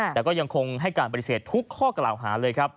แต่ก็ยังคงให้การปฏิเสธทุกข้อกล่าวหาเลยครับ